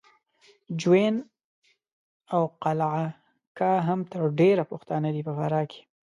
جوین او قلعه کا هم تر ډېره پښتانه دي په فراه کې